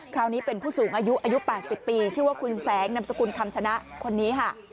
คราวนี้เป็นผู้สูงอายุอายุ๘๐ปีชื่อว่าคุณแสงนำสกุลคำชนะคนนี้ค่ะ